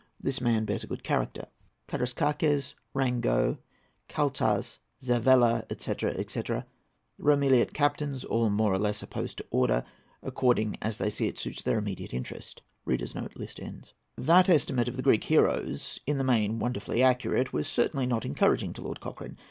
This man bears a good character. KARAÏSKAKES, RANGO, KALTZAS, ZAVELLA, &c. &c.—Romeliot captains; all more or less opposed to order, according as they see it suits their immediate interest. That estimate of the Greek heroes—in the main wonderfully accurate—was certainly not encouraging to Lord Cochrane.